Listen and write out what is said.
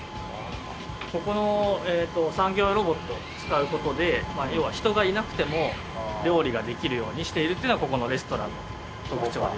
ここの産業ロボットを使う事で要は人がいなくても料理ができるようにしているっていうのがここのレストランの特徴です。